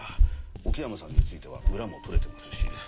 奥山さんについては裏も取れてますし。